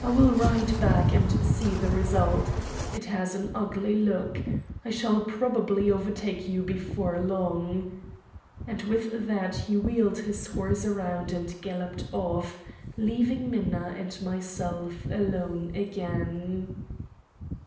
"I will ride back and see the result. It has an ugly look. I shall probably overtake you before long," and with that he wheeled his horse round and galloped off, leaving Minna and myself alone again.